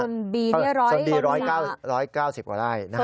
โซนบีเนี่ยร้อยโซนบีร้อยเก้าร้อยเก้าสิบกว่าไล่นะฮะ